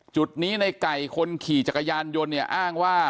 จุดนี้ในไก่คนขี่จักรยานยนต์เนี่ยอ้างว่า